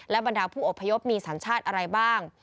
บรรดาผู้อพยพมีสัญชาติอะไรบ้าง